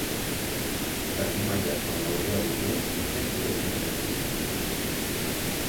Erdi mailako neurria duten intsektuez elikatzen da.